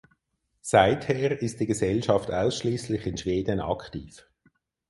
Seither ist die Gesellschaft ausschließlich in Schweden aktiv.